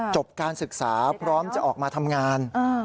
จบการศึกษาพร้อมจะออกมาทำงาน